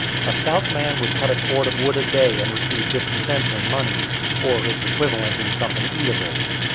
A stout man would cut a cord of wood a day and receive fifty cents in money, or its equivalent in something eatable.